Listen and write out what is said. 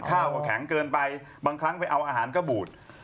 ข้าวก็แข็งเกินไปบางครั้งไปเอาอาหารก็บูด